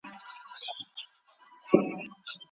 هغه د هېواد په شمال کې د امو سیند غاړې ته سفر وکړ.